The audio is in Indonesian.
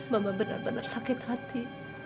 mama benar benar sakit hati